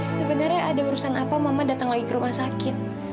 sebenarnya ada urusan apa mama datang lagi ke rumah sakit